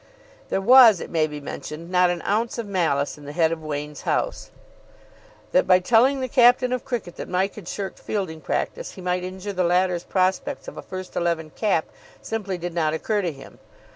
There was, it may be mentioned, not an ounce of malice in the head of Wain's house. That by telling the captain of cricket that Mike had shirked fielding practice he might injure the latter's prospects of a first eleven cap simply did not occur to him.